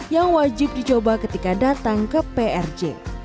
yang wajib dicoba ketika datang ke prj